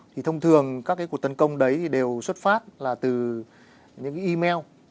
thì thông thường các cái cuộc tấn công đấy thì đều xuất phát là từ những cái email